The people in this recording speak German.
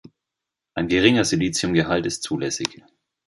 Ein geringer Siliciumgehalt ist zulässig.